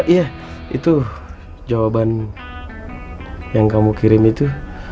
iya itu jawaban yang kamu kirim itu